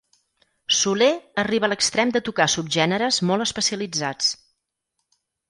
Soler arriba a l'extrem de tocar subgèneres molt especialitzats.